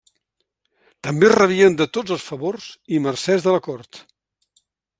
També rebien de tots els favors i mercès de la cort.